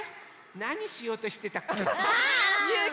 なにしようとしてたっけ？